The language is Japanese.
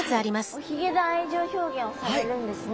おひげで愛情表現をされるんですね